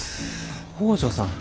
北條さん。